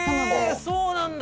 そうなんだ！